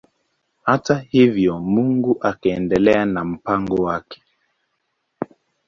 Hata hivyo Mungu akaendelea na mpango wake.